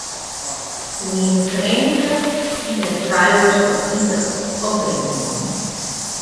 Der wie in kreamke dêr't de kuierders wat ite of drinke koene.